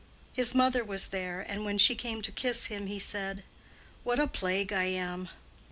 His mother was there, and when she came to kiss him, he said: "What a plague I am!"